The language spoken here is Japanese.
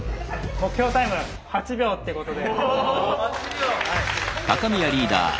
目標タイム８秒ってことで。